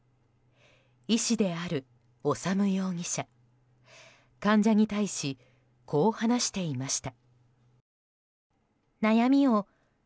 医師である修容疑者、患者に対しこう話していました。